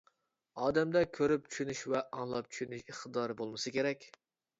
ئادەمدە كۆرۈپ چۈشىنىش ۋە ئاڭلاپ چۈشىنىش ئىقتىدارى بولمىسا كېرەك.